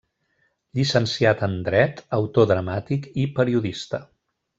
Llicenciat en dret, autor dramàtic i periodista.